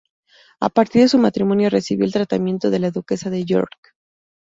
A partir de su matrimonio recibió el tratamiento de la duquesa de York.